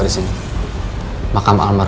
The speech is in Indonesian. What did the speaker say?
terima kasih ma